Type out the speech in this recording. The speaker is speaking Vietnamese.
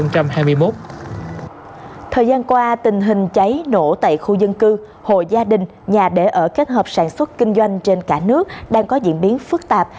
thời gian qua tình hình cháy nổ tại khu dân cư hộ gia đình nhà để ở kết hợp sản xuất kinh doanh trên cả nước đang có diễn biến phức tạp